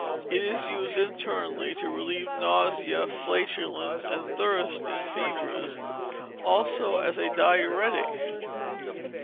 It is used internally to relieve nausea, flatulence, and thirst in fevers; also as a diuretic.